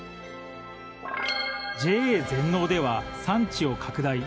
ＪＡ全農では産地を拡大。